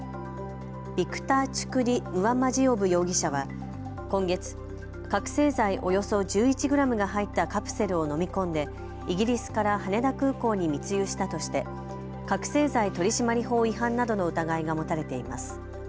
ビクター・チュクディ・ンワマジオブ容疑者は今月、覚醒剤およそ１１グラムが入ったカプセルを飲み込んでイギリスから羽田空港に密輸したとして覚醒剤取締法違反などの疑いが持たれています。